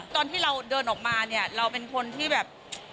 ตอนที่เราเดินออกมาเนี่ยเราเป็นคนที่แบบ